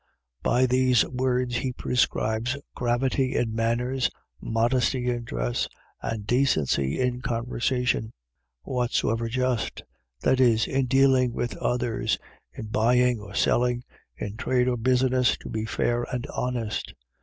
. .by these words he prescribes gravity in manners, modesty in dress, and decency in conversation. Whatsoever just. . .That is, in dealing with others, in buying or selling, in trade or business, to be fair and honest.